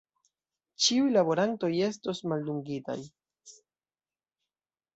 Ĉiuj laborantoj estos maldungitaj.